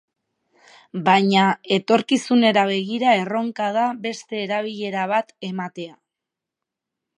Baina, etorkizunera begira erronka da beste erabilera bat ematea.